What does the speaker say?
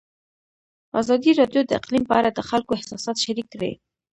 ازادي راډیو د اقلیم په اړه د خلکو احساسات شریک کړي.